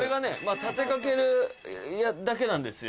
立て掛けるだけなんですよ